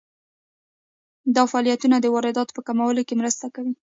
دا فعالیتونه د وارداتو په کمولو کې مرسته کوي.